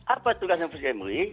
apa tugasnya mui